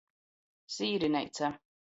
Sīrineica.